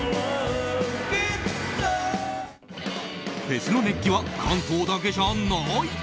フェスの熱気は関東だけじゃない。